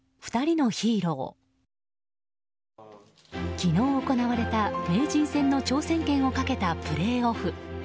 昨日行われた名人戦の挑戦権をかけたプレーオフ。